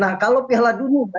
nah kalau piala dunia